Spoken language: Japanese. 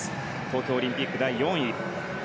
東京オリンピック第４位。